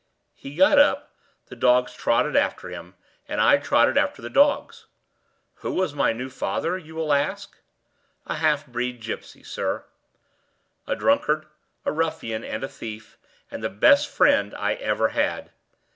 He got up, the dogs trotted after him, and I trotted after the dogs. Who was my new father? you will ask. A half breed gypsy, sir; a drunkard, a ruffian, and a thief and the best friend I ever had!